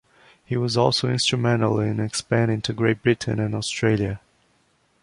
He was also instrumental in expanding to Great Britain and Australia.